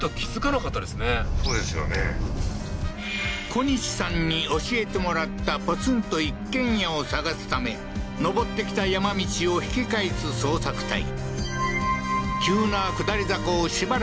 小西さんに教えてもらったポツンと一軒家を探すため登って来た山道を引き返す捜索隊